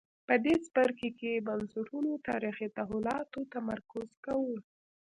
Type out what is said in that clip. په دې څپرکي کې بنسټونو تاریخي تحولاتو تمرکز کوو.